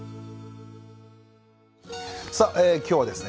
さっ今日はですね